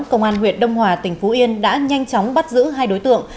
công an huyện đông hòa tỉnh phú yên đã nhanh chóng bắt giữ hai đối tượng